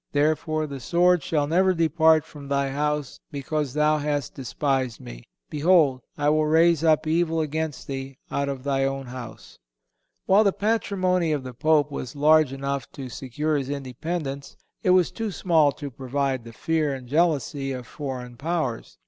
Therefore the sword shall never depart from thy house, because thou hast despised Me. Behold, I will raise up evil against thee out of thy own house."(185) While the patrimony of the Pope was large enough to secure his independence, it was too small to provoke the fear and jealousy of foreign powers.